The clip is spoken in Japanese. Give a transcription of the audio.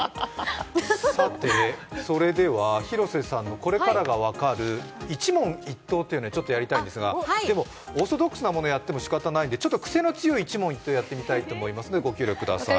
広瀬さんのこれからが分かる一問一答というのをやりたいんですが、でも、オーソドックスなものやってもしかたがないので、クセの強いものやりたいと思いますので、ご協力ください。